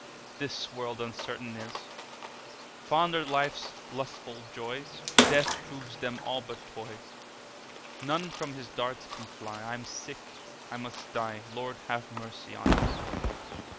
This world uncertain is: Fond are life's lustful joys, Death proves them all but toys. None from his darts can fly; 5 I am sick, I must die— Lord, have mercy on us!